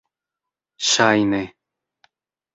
ŝajne